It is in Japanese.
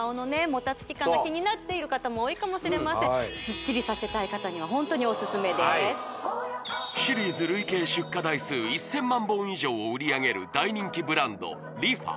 もたつき感が気になっている方も多いかもしれませんすっきりさせたい方にはホントにオススメですシリーズ累計出荷台数１０００万本以上を売り上げる大人気ブランドＲｅＦａ